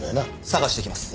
捜してきます。